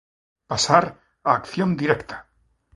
Pasar á acción directa.